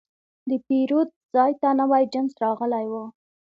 د پیرود ځای ته نوی جنس راغلی و.